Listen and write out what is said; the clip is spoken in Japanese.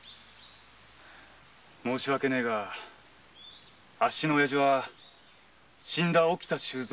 申し訳ねぇがあっしの親父は死んだ沖田収蔵